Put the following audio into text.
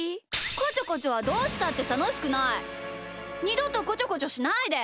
こちょこちょはどうしたってたのしくない！にどとこちょこちょしないで！